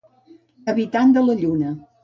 Habitant de la lluna.